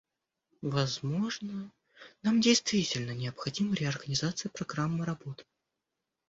Возможно, нам действительно необходима реорганизация программы работы.